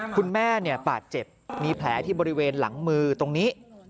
คุณแม่บาดเจ็บมีแผลที่บริเวณหลังมือตรงนี้